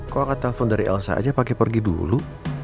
kok angkat telpon dari elsa aja pake pergi dulu